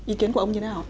ý kiến của ông như thế nào